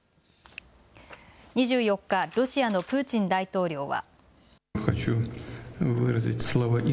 ２４日ロシアのプーチン大統領は。